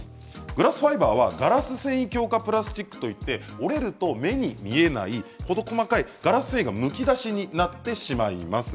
グラスファイバーはガラス繊維強化プラスチックといって、折れると目に見えないほど細かいガラス繊維がむき出しになってしまいます。